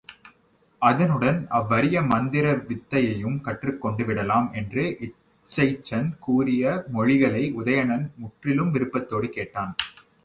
அதனுடன் அவ்வரிய மந்திர வித்தையையும் கற்றுக்கொண்டு விடலாம் என்று இசைச்சன் கூறிய மொழிகளை உதயணன் முற்றிலும் விருப்பத்தோடு கேட்டான்.